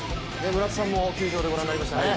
村田さんも球場で御覧になりましたね。